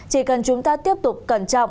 chỉ cần chúng ta tiếp tục cẩn trọng